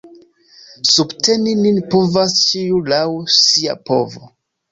Subteni nin povas ĉiu laŭ sia povo.